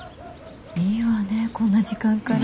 いいわねこんな時間から。